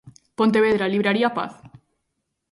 Pontevedra: Libraría Paz.